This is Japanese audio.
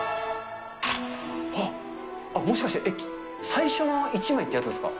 あっ、もしかして最初の１枚ってやつですか？